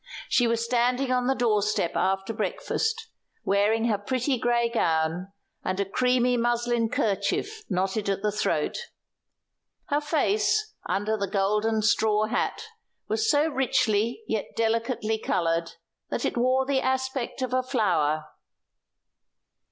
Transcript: She was standing on the door step after breakfast, wearing her pretty grey gown, and a creamy muslin kerchief knotted at the throat. Her face, under the golden straw hat, was so richly, yet delicately, coloured that it wore the aspect of a flower.